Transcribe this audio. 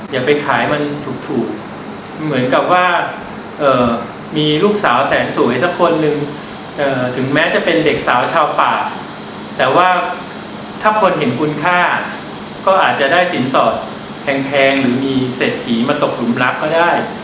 อย่าไปขายมันถูกเหมือนกับว่ามีลูกสาวแสนสวยสักคนนึงถึงแม้จะเป็นเด็กสาวชาวป่าแต่ว่าถ้าคนเห็นคุณค่าก็อาจจะได้สินสอดแพงหรือมีเศรษฐีมาตกหลุมรักก็ได้